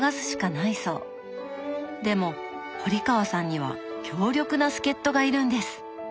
でも堀川さんには強力な助っ人がいるんです！